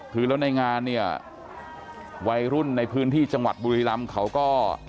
คือแล้วในงานเนี่ยวัยรุ่นในพื้นที่จังหวัดบุรีรำเขาก็